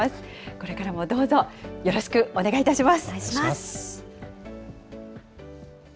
これからもどうぞよろしくお願いお願いします。